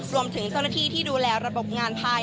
รวมถึงเจ้าหน้าที่ที่ดูแลระบบงานภาย